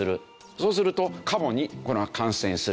そうするとカモに感染する。